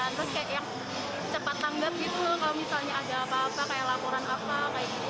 terus kayak yang cepat tanggap gitu kalau misalnya ada apa apa kayak laporan apa kayak gitu